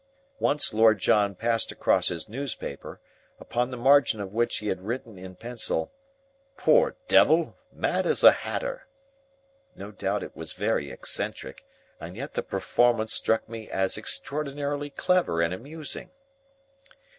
Once Lord John passed across his newspaper, upon the margin of which he had written in pencil, "Poor devil! Mad as a hatter." No doubt it was very eccentric, and yet the performance struck me as extraordinarily clever and amusing.